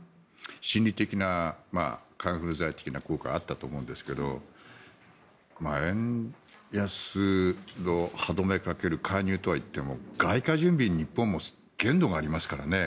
心理的なカンフル剤的な効果はあったと思うんですが円安の歯止めをかける介入とはいっても外貨準備日本も限度がありますからね。